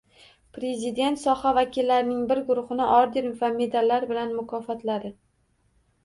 Prezident soha vakillarining bir guruhini orden va medallar bilan mukofotladi